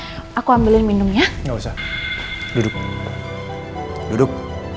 hai kau capek ya aku ambil minumnya nggak usah duduk duduk